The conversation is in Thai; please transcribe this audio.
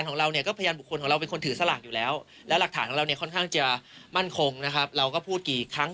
มั่นคงนะครับเราก็พูดกี่ครั้ง